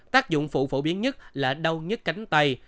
tác dụng phụ phổ biến nhất là đau nhất cánh tay